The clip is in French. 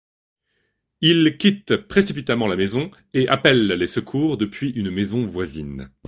Ils quittent précipitamment la maison et appellent les secours depuis une maison voisine.